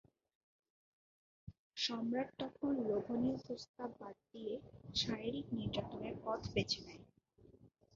সম্রাট তখন লোভনীয় প্রস্তাব বাদ দিয়ে শারীরিক নির্যাতনের পথ বেছে নেয়।